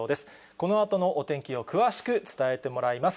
このあとのお天気を詳しく伝えてもらいます。